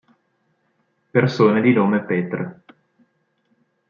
Persone di nome Petr